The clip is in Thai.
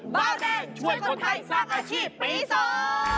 เบาแดงช่วยคนไทยสร้างอาชีพปีสอง